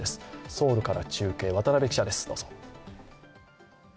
ソウルから中継、渡辺記者です。